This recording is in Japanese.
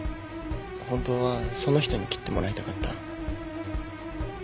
本当はその人に切ってもらいたかった？